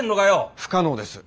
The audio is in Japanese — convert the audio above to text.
不可能です。